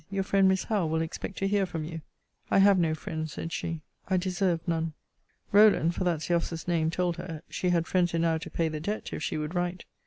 Your friend, Miss Howe, will expect to hear from you. I have no friend, said she, I deserve none. Rowland, for that's the officer's name, told her, she had friends enow to pay the debt, if she would write.